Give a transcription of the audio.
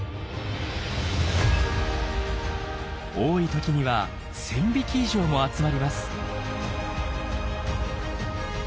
多い時には１，０００匹以上も集まります。